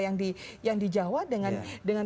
yang di jawa dengan